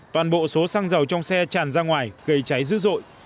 toàn bộ số xăng dầu trong xe tràn ra ngoài gây cháy dữ dội